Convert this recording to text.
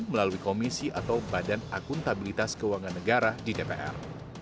melalui komisi atau badan akuntabilitas keuangan negara di dpr